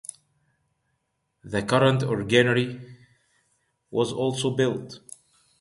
The current orangery was also built.